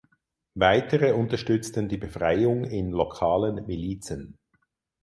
Weitere unterstützten die Befreiung in lokalen Milizen.